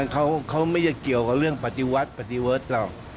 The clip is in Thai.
เขาไม่เกี่ยวกับเรื่องปฤติวัฒน์ปฤติเวิร์ทหรอก